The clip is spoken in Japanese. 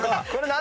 何？